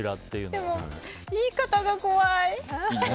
でも、言い方が怖い。